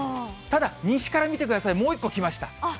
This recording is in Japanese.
ただ西から見てください、もう１個来ました。